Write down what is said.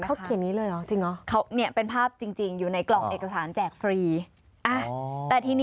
เขาเขียนนี้เลยหรือจริงหรือ